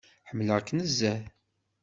Ḥemmleɣ-k nezzeh.